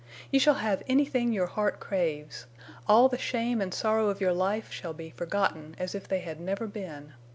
You shall have anything your heart craves. All the shame and sorrow of your life shall be forgotten—as if they had never been.